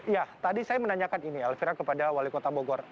ya tadi saya menanyakan ini elvira kepada wali kota bogor